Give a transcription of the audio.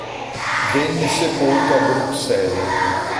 Venne sepolto a Bruxelles.